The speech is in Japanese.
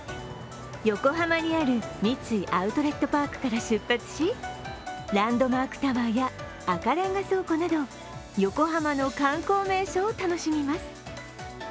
横浜にある三井アウトレットパークから出発し、ランドマークタワーや赤レンガ倉庫など、横浜の観光名所を楽しみます。